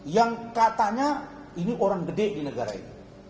yang katanya ini orang gede di negara ini